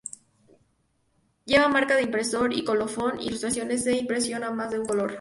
Lleva marca de impresor y colofón, ilustraciones e impresión a más de un color.